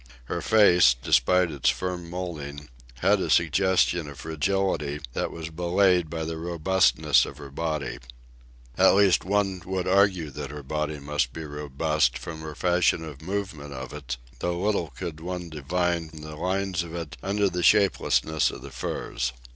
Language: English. Her face, despite its firm moulding, had a suggestion of fragility that was belied by the robustness of her body. At least, one would argue that her body must be robust from her fashion of movement of it, though little could one divine the lines of it under the shapelessness of the furs.